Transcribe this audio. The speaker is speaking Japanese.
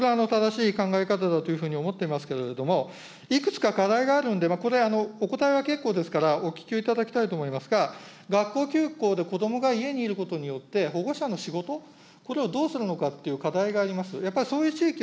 これは正しい考え方だというふうに思っていますけれども、いくつか課題があるんで、これお答えは結構ですから、お聞きをいただきたいと思いますが、学校休校で、子どもが家にいることによって、保護者の仕事、これをどうするのかっていう課題があります。